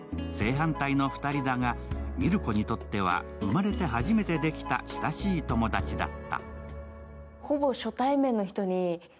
正反対の２人だが、海松子にとっては生まれて初めてできた親しい友達だった。